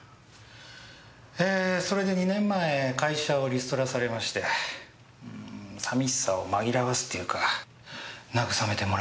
えそれで２年前会社をリストラされまして寂しさをまぎらわすっていうか慰めてもらいたいっていうか。